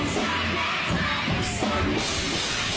ส่วนยังแบร์ดแซมแบร์ด